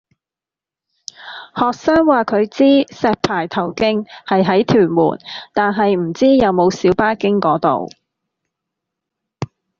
學生話佢知石排頭徑係喺屯門，但係唔知有冇小巴經嗰度